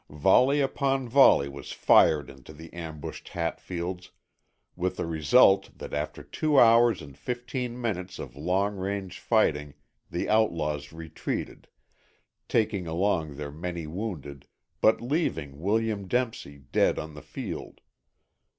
Volley upon volley was fired into the ambushed Hatfields with the result that after two hours and fifteen minutes of long range fighting the outlaws retreated, taking along their many wounded, but leaving William Dempsey dead on the field.